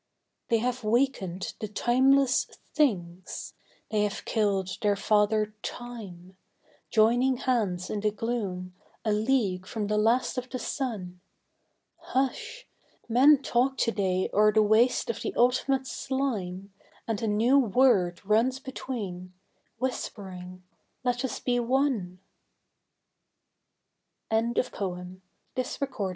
They have wakened the timeless Things; they have killed their father Time; Joining hands in the gloom, a league from the last of the sun. Hush! Men talk to day o'er the waste of the ultimate slime, And a new Word runs between: whispering, "Let us be one!" The Song of the Sons.